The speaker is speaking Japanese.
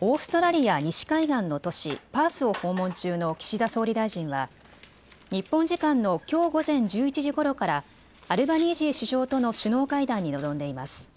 オーストラリア西海岸の都市パースを訪問中の岸田総理大臣は日本時間のきょう午前１１時ごろからアルバニージー首相との首脳会談に臨んでいます。